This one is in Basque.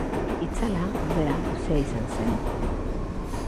Itzala, ordea, luzea izan zen.